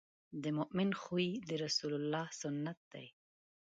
د مؤمن خوی د رسول الله سنت دی.